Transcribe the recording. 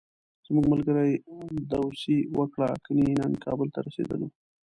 زموږ ملګرو داوسي وکړه، کني نن کابل ته رسېدلو.